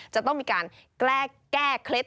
จะต้องมีการแกล้งแก้เคล็ด